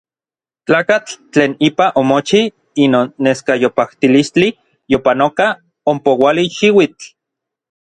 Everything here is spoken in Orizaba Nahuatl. Tlakatl tlen ipa omochij inon neskayopajtilistli yopanoka ompouali xiuitl.